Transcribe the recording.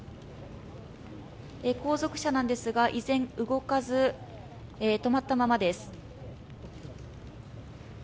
後続車ですが依然、動かず、止まったままです。